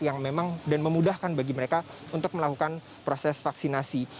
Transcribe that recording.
yang memang dan memudahkan bagi mereka untuk melakukan proses vaksinasi